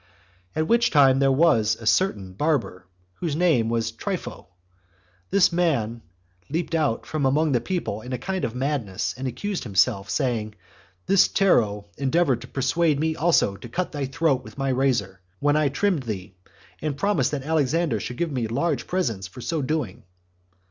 5. At which time there was a certain barber, whose name was Trypho. This man leaped out from among the people in a kind of madness, and accused himself, and said, "This Tero endeavored to persuade me also to cut thy throat with my razor, when I trimmed thee, and promised that Alexander should give me large presents for so doing."